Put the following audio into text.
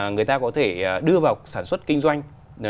người ta có thể đưa vào sản xuất kinh doanh